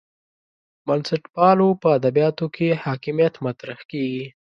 بنسټپالو په ادبیاتو کې حاکمیت مطرح کېږي.